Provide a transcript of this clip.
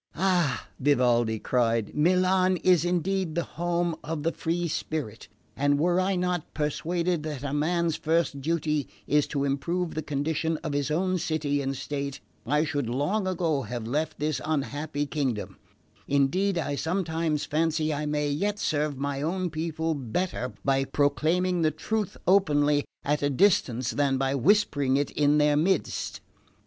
"Ah," Vivaldi cried, "Milan is indeed the home of the free spirit, and were I not persuaded that a man's first duty is to improve the condition of his own city and state, I should long ago have left this unhappy kingdom; indeed I sometimes fancy I may yet serve my own people better by proclaiming the truth openly at a distance than by whispering it in their midst."